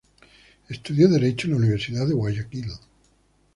Estudió derecho en la Universidad de Guayaquil.